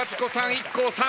ＩＫＫＯさん。